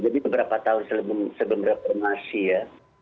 jadi beberapa tahun sebelum reformasi ya